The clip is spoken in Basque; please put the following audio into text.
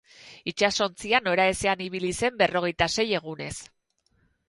Itsasontzia noraezean ibili zen berrogeita sei egunez.